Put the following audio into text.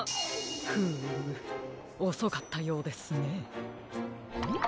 フームおそかったようですね。